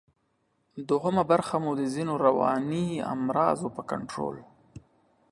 دوهمه برخه مو د ځینو رواني امراضو په کنټرول